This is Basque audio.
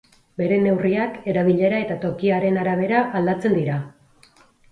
Bere neurriak, erabilera eta tokiaren arabera aldatzen dira.